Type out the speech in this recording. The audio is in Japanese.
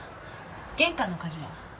玄関の鍵は？